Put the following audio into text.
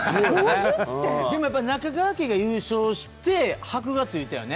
でも、中川家が優勝して、箔がついたよね。